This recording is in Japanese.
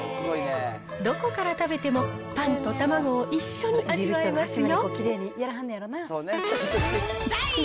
どこから食べてもパンとたまごを一緒に味わえますよ。